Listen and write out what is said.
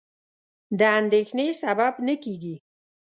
د اندېښنې سبب نه کېږي.